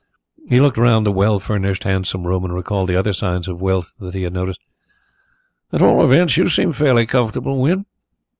He looked round the well furnished, handsome room and recalled the other signs of wealth that he had noticed. "At all events, you seem fairly comfortable, Wynn."